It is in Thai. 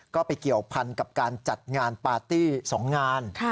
ก็ไปเกี่ยวพันกับการจัดงานปาร์ตี้๒งาน